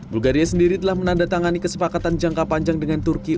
bulgaria sendiri telah menandatangani kesepakatan jangka panjang dengan turki